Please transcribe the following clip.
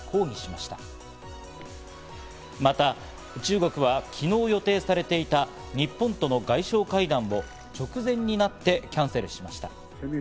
また中国は昨日予定されていた日本との外相会談を直前になってキャンセルしました。